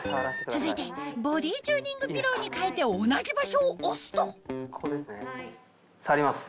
続いてボディーチューニングピローにかえて同じ場所を押すとここですね触ります。